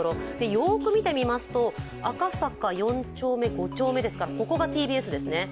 よく見てみますと、赤坂４丁目、５丁目ですから、ここがＴＢＳですね。